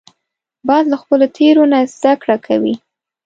باز له خپلو تېرو نه زده کړه کوي